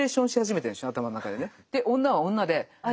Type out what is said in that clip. で女は女であ